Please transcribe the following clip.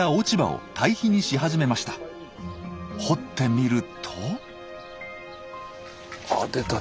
掘ってみると。